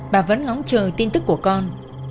bà vẫn ngóng chờ tin tức của con